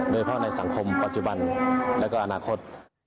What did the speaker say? โดยเฉพาะในสังคมปัจจุบันและก็อนาคต